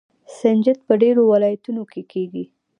سنجد په ډیرو ولایتونو کې کیږي.